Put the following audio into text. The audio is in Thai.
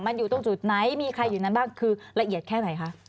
มันอยู่ตรงจุดไหนมีใครอยู่นั้นบ้างคือละเอียดแค่ไหนคะ